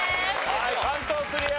はい関東クリア！